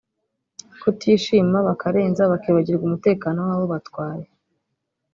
kutishima bakarenza bakibagirwa umutekano w’abo batwaye